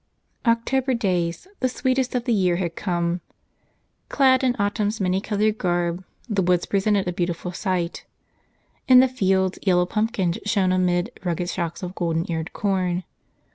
October days, the sweetest of the year, had come. 12 Marie s Rosary Clad in autumn's many colored garb, the woods pre¬ sented a beautiful sight. In the fields yellow pumpkins shone amid rugged shocks of golden eared corn.